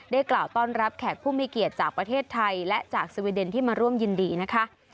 กล่าวต้อนรับแขกผู้มีเกียรติจากประเทศไทยและจากสวีเดนที่มาร่วมยินดีนะคะ